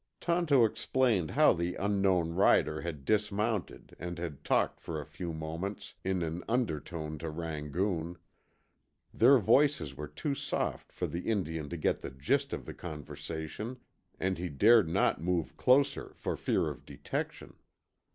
Tonto explained how the unknown rider had dismounted and had talked for a few moments in an undertone to Rangoon. Their voices were too soft for the Indian to get the gist of the conversation, and he dared not move closer for fear of detection.